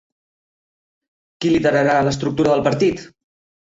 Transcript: Qui liderarà l'estructura del partit?